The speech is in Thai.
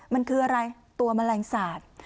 มันคืออะไรตัวแมลงสาป